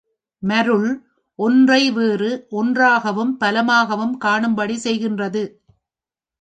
மருள், ஒன்றை வேறு ஒன்றாகவும் பலவாகவும் காணும்படி செய்கின்றது.